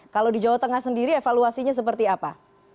kalau di jawa tengah sendiri evaluasinya seperti apa